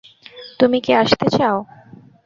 তুমি কি আসতে চাও?